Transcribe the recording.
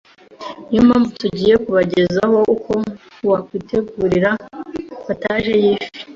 Niyo mpamvu tugiye kubagezaho uko wakwitegurira Potage y’ifi